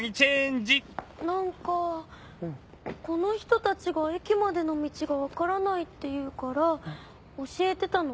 何かこの人たちが駅までの道が分からないっていうから教えてたの。